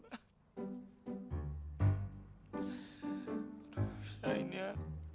aduh shain ya